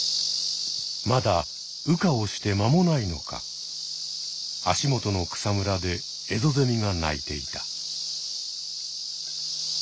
まだ羽化をして間もないのか足元の草むらでエゾゼミが鳴いていた。